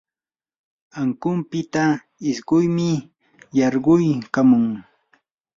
ankunpita isquymi yarquykamun.